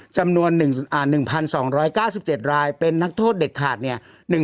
จำนวน๑๒๙๗รายเป็นนักโทษเด็ดขาดเนี่ย